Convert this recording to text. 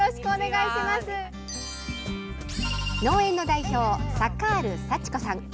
農園の代表、サカール祥子さん。